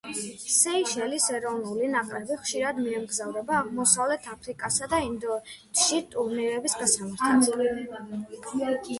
სეიშელის ეროვნული ნაკრები ხშირად მიემგზავრება აღმოსავლეთ აფრიკასა და ინდოეთში ტურნირების გასამართად.